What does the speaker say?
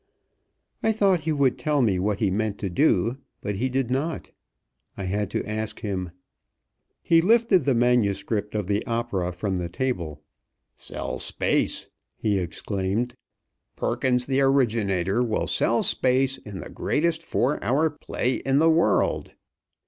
I thought he would tell me what he meant to do, but he did not. I had to ask him. He lifted the manuscript of the opera from the table. "Sell space!" he exclaimed. "Perkins the Originator will sell space in the greatest four hour play in the world.